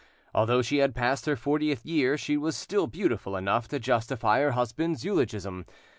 Although she had passed her fortieth year, she was still beautiful enough to justify her husband's eulogism.